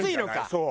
そう。